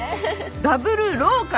ダブルローカル